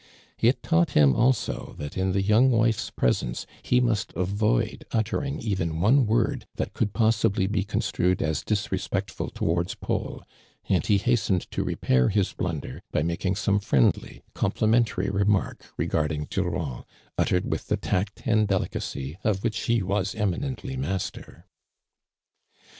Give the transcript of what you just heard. It taught him also that in the young wife's presence he must avoid uttering even one word that could possibly be construed as disrespectful towards Paul, and he hastened to repair his blunder by making some friendly, compli mentary remark regarding Durand, uttered with the tact and delicacy of which he was eminently master.